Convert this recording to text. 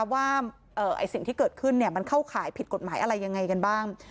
ว่าสิ่งที่เกิดขึ้นมันเข้าข่ายผิดกฎหมายอะไรยังไงกันบ้าง